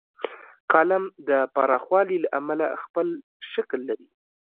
کالم د پراخوالي له امله خپل شکل لري.